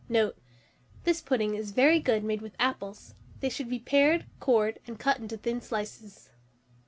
Note. This pudding is very good made with apples: they should be pared cored, and cut into thin slices.